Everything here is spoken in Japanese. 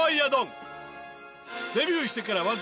デビューしてから。